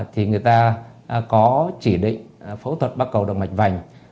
thì người ta có chỉ định phẫu thuật bắt cầu động mạch vành